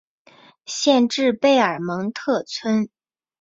县治贝尔蒙特村。